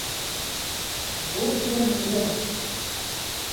Go to the Mirror!